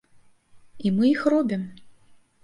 І мы іх робім.